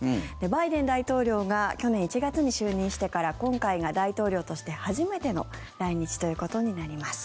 バイデン大統領が去年１月に就任してから今回が大統領として初めての来日ということになります。